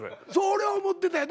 俺は思ってたよ。